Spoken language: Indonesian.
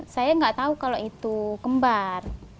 saya nggak tahu kalau itu kembar